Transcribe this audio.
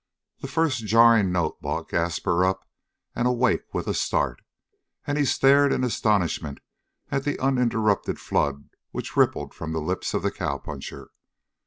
The first jarring note brought Gaspar up and awake with a start, and he stared in astonishment at the uninterrupted flood which rippled from the lips of the cowpuncher.